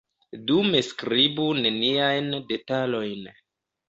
Dume skribu neniajn detalojn.